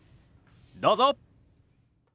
どうぞ！